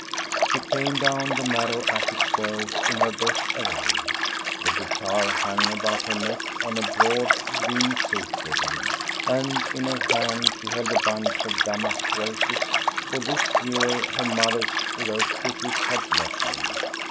She came down the narrow attic stairs in her best 240 THE STORY OF GOSTA BE RUNG array. The guitar hung about her neck on a broad, green silk ribbon, and in her hand she held a bunch of damask roses, for this year her mother's rose bushes had blossomed.